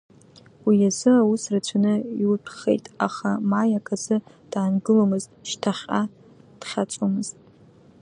Уи азы аус рацәаны иутәхеит, аха Маиа аказы даангыломызт, шьҭахьҟа дхьаҵуамызт…